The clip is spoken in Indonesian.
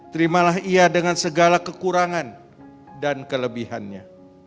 terimalah ia dengan segala kekurangan dan kelebihannya